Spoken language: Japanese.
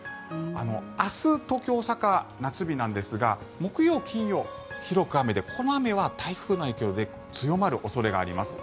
明日、東京、大阪夏日なんですが木曜、金曜は広く雨でこの雨は台風の影響で強まる恐れがあります。